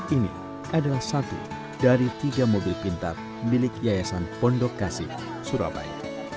ini adalah satu dari tiga mobil pintar milik yayasan pondok kasih surabaya